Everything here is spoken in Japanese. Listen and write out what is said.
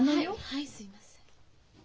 はいすいません。